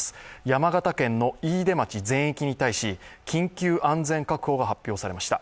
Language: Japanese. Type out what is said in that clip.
山形県の飯豊町全域に対し緊急安全確保が発表されました。